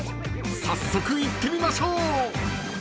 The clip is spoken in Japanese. ［早速行ってみましょう］